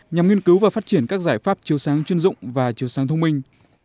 nhằm nghiên cứu và phát triển các giải pháp chiều sáng chuyên dụng và chiều sáng thông minh